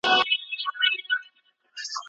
د ټولنپوهنې نویو مفاهیم ته وده ورکړئ.